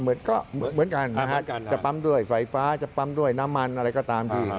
เหมือนกันนะฮะจะปั๊มด้วยไฟฟ้าจะปั๊มด้วยน้ำมันอะไรก็ตามที